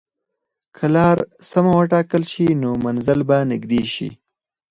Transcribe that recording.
که لار سمه وټاکل شي، نو منزل به نږدې شي.